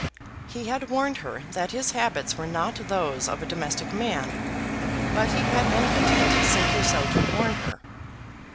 He had warned her that his habits were not those of a domestic man, but he had been content simply so to warn her.